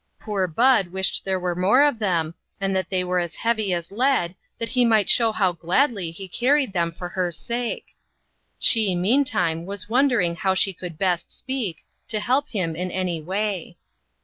Poor Bud wished there were more of them, and that they were as heavy as lead, that he might show how gladly he carried them for her sake. She, meantime, was wondering how she could best speak, to help him in any way.